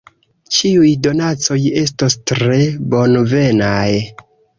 Ĉiuj donacoj estos tre bonvenaj.